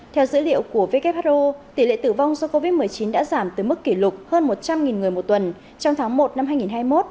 theo dữ liệu của who tỷ lệ tử vong do covid một mươi chín đã giảm tới mức kỷ lục hơn một trăm linh người một tuần trong tháng một năm hai nghìn hai mươi một